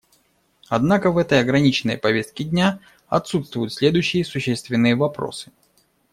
Однако в этой ограниченной повестке дня отсутствуют следующие существенные вопросы.